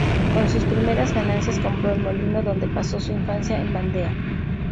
Con sus primeras ganancias, compró el molino donde pasó su infancia en Vandea.